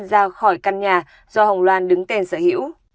ra khỏi căn nhà do hồng loan đứng tên sở hữu